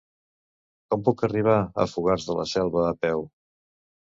Com puc arribar a Fogars de la Selva a peu?